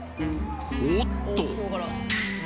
おおっと！